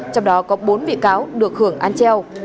trong đó có bốn bị cáo được hưởng án treo